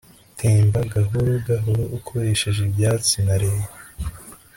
temba, gahoro gahoro, ukoresheje ibyatsi na lea